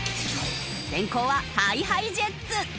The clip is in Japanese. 先攻はＨｉＨｉＪｅｔｓ。